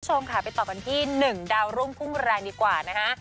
คุณผู้ชมค่ะไปต่อกันที่๑ดาวรุ่งพุ่งแรงดีกว่านะฮะ